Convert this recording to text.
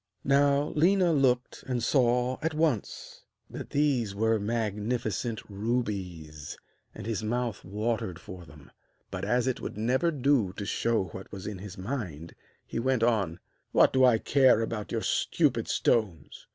Now Léna looked and saw at once that these were magnificent rubies, and his mouth watered for them; but as it would never do to show what was in his mind, he went on: 'What do I care about your stupid stones?